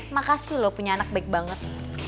makasih loh punya anak baik banget